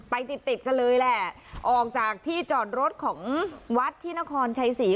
ไปติดติดกันเลยแหละออกจากที่จอดรถของวัดที่นครชัยศรี